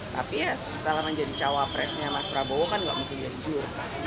tapi ya setelah menjadi cawapresnya mas prabowo kan gak mau jadi jur